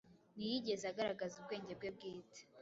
Ntiyigeze agaragaza ubwenge bwe bwite